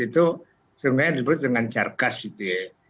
itu sebenarnya disebut dengan jargas gitu ya